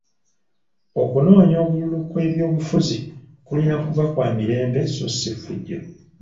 Okunoonya obululu kw'ebyobufuzi kulina kuba kwa mirembe so si ffujjo.